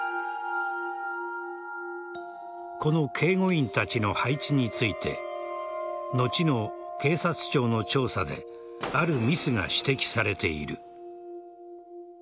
この警護員たちの配置について後の警察庁の調査であるミスが指摘されている。